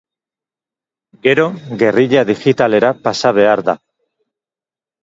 Gero, gerrilla digitalera pasa behar da.